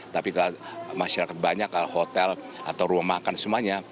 tapi masyarakat banyak hotel atau rumah makan semuanya